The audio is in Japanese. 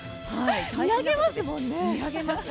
見上げますもんね。